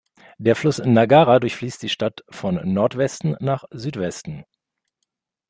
Der Fluss Nagara durchfließt die Stadt von Nordwesten nach Südwesten.